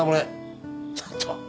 ちょっと。